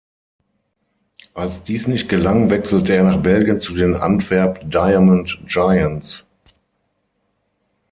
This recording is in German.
Als dies nicht gelang, wechselte er nach Belgien zu den Antwerp Diamond Giants.